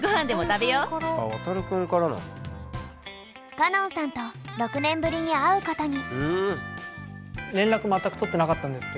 歌音さんと６年ぶりに会うことに。